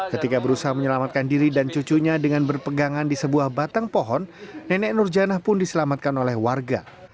ketika berusaha menyelamatkan diri dan cucunya dengan berpegangan di sebuah batang pohon nenek nur janah pun diselamatkan oleh warga